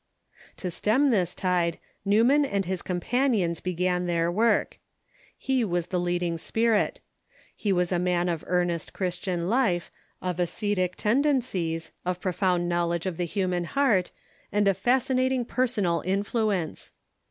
To stem this tide, Newman and his companions began their work. He was the leading spirit. He was a man of earnest Christian life, of ascetic tendencies, of profound knowledge of the human heart, and of fascinating personal influence.